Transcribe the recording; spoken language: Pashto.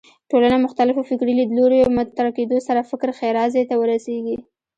ټولنه مختلفو فکري لیدلوریو مطرح کېدو سره فکر ښېرازۍ ته ورسېږي